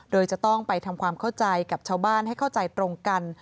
โดยจะต้องไปทำความเข้าใจกับชาวบ้านให้เข้าใจตรงกัน